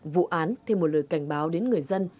vụ án thêm một lời cảnh báo đến người dân